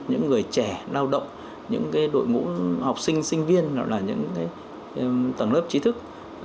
những người trẻ lao động những đội ngũ học sinh sinh viên tầng lớp trí thức